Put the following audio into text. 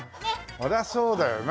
そりゃそうだよな。